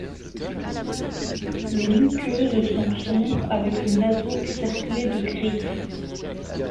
Les muqueuses sont sombres avec le naseau cerclé de gris.